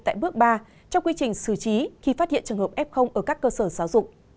tại bước ba trong quy trình xử trí khi phát hiện trường hợp f ở các cơ sở giáo dục